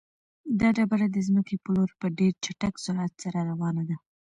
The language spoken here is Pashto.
دا ډبره د ځمکې په لور په ډېر چټک سرعت سره روانه ده.